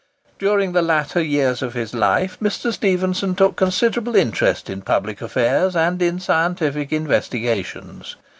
During the later years of his life, Mr. Stephenson took considerable interest in public affairs and in scientific investigations.